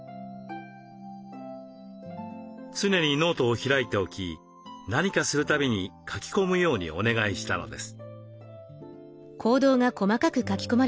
常にノートを開いておき何かするたびに書き込むようにお願いしたのです。